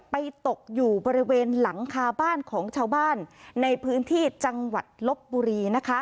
ตกอยู่บริเวณหลังคาบ้านของชาวบ้านในพื้นที่จังหวัดลบบุรี